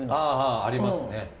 ああありますね。